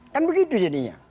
kan begitu jadinya